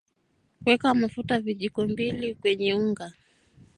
weka mafuta vijiko mbili kenye unga